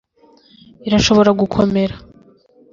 irashobora gukomera